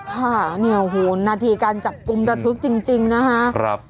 ค่ะเนี่ยโอ้โหนาทีการจับกลุ่มระทึกจริงนะคะ